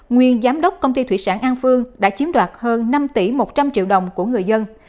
nguyên giám đốc công ty thủy sản an phương đã chiếm đoạt hơn năm tỷ một trăm linh triệu đồng của người dân